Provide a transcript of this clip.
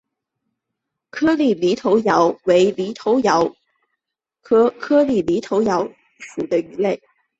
颗粒犁头鳐为犁头鳐科颗粒犁头鳐属的鱼类。